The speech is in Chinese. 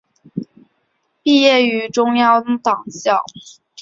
毕业于中央党校。